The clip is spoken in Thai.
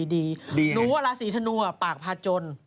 หนูว่าราศีธนูปากพาจน